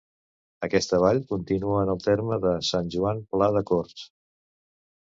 Aquesta vall continua en el terme de Sant Joan Pla de Corts.